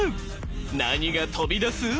何が飛び出す？